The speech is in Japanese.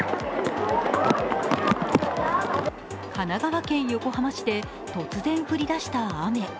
神奈川県横浜市で突然降り出した雨。